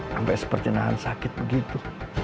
sampai seperti nahan sakit begitu